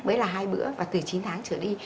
mới là hai bữa và từ chín tháng trở đi